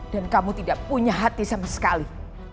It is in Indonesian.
dan kamu tidak punya hati sama sekali